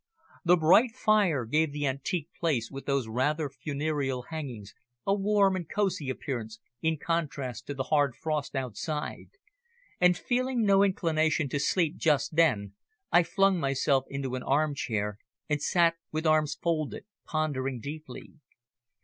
The bright fire gave the antique place with those rather funereal hangings a warm and cosy appearance in contrast to the hard frost outside, and feeling no inclination to sleep just then, I flung my self into an arm chair and sat with arms folded, pondering deeply.